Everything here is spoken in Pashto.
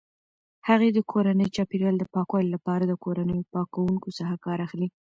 هغې د کورني چاپیریال د پاکوالي لپاره د کورنیو پاکونکو څخه کار اخلي.